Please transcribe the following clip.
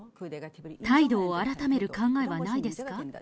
態度を改める考えはないですか。